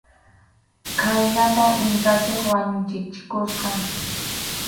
Khaynatam Inkanchik wañuchichikusqa.